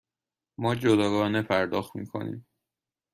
ما جداگانه پرداخت می کنیم.